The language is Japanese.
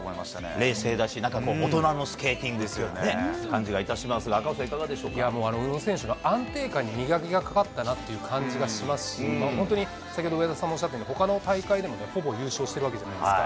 冷静だし、なんか大人のスケーティングという感じがいたしますが、赤星さん、いかがでしょういやもう、宇野選手は安定感に磨きがかかったなという感じがしますし、本当に先ほど上田さんもおっしゃったように、ほかの大会でも、ほぼ優勝しているわけじゃないですか。